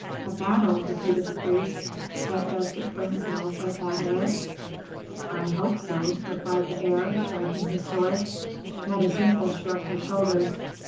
"A battle!" repeated the priest. "But does the prince know what a battle is?" "I hope so!" replied the heir, striking his sword. Mentezufis shrugged his shoulders.